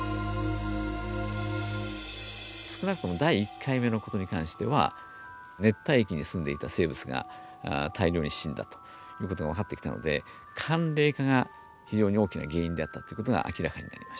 少なくとも第１回目のことに関しては熱帯域に住んでいた生物が大量に死んだということが分かってきたので寒冷化が非常に大きな原因であったということが明らかになりました。